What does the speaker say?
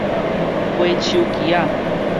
掰手機仔